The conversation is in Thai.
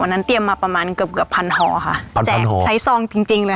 นั้นเตรียมมาประมาณเกือบเกือบพันหอค่ะแจกใช้ซองจริงจริงเลย